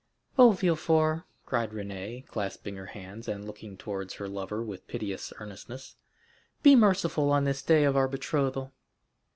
"Oh, Villefort!" cried Renée, clasping her hands, and looking towards her lover with piteous earnestness, "be merciful on this the day of our betrothal."